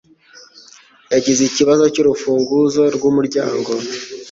Yagize ikibazo cyurufunguzo rwumuryango